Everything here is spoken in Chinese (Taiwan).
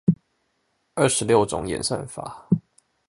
二十六種演算法